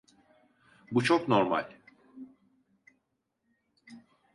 Bu çok normal.